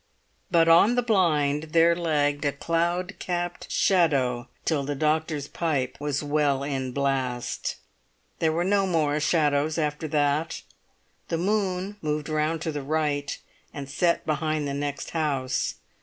But on the blind there lagged a cloud capped shadow till the doctor's pipe was well in blast. There were no more shadows after that. The moon moved round to the right, and set behind the next house.